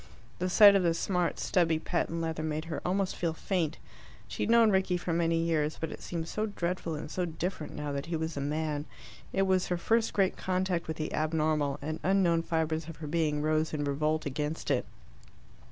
The sight of the smart, stubby patent leather made her almost feel faint. She had known Rickie for many years, but it seemed so dreadful and so different now that he was a man. It was her first great contact with the abnormal, and unknown fibres of her being rose in revolt against it.